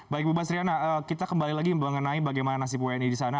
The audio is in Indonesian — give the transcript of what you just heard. baik bu basriana kita kembali lagi mengenai bagaimana nasib wni di sana